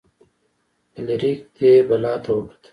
فلیریک دې بلا ته وکتل.